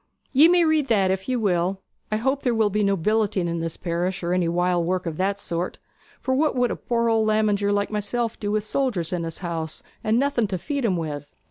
'Ye may read that if ye will. I hope there will be no billeting in this parish, or any wild work of that sort; for what would a poor old lamiger like myself do with soldiers in his house, and nothing to feed 'em with?'